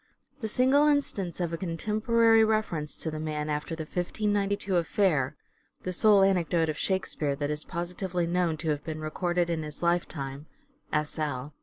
The single instance of a contemporary reference to the man, after the 1592 affair (" The sole anecdote of Shakespeare that is positively known to have been recorded in his lifetime," S. L.)